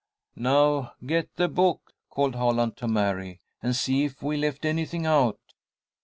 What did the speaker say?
"Now, get the book," called Holland to Mary, "and see if we've left anything out."